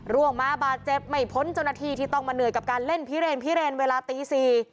ร่วงมาบาดเจ็บไม่พ้นเจ้าหน้าที่ที่ต้องมาเหนื่อยกับการเล่นพิเรนพิเรนเวลาตี๔